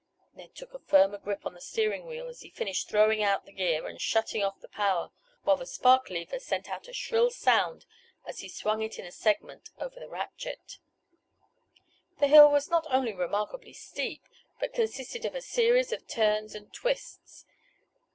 Ned took a firmer grip on the steering wheel, as he finished throwing out the gear and shutting off the power, while the spark lever sent out a shrill sound as he swung it in a segment over the rachet. The hill was not only remarkably steep, but consisted of a series of turns and twists.